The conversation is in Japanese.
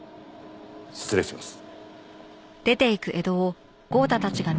失礼します。